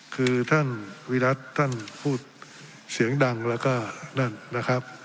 คือท่านวิรัติท่านพูดเสียงดังแล้วก็นั่นนะครับ